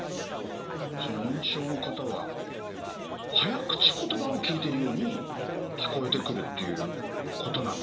認知症の方は早口言葉を聞いてるように聞こえてくるっていうことなんですね？